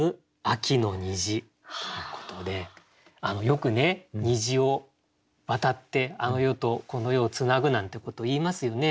よくね「虹を渡ってあの世とこの世をつなぐ」なんてこと言いますよね。